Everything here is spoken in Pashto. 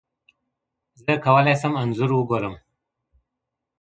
زه کولای سم انځور وګورم!.